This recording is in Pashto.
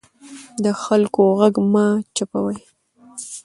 د خلکو غږ مه چوپوئ